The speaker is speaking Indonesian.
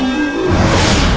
aku akan menang